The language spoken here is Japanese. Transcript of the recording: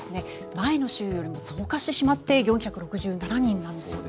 前の週よりも増加してしまって４６７人なんですよね。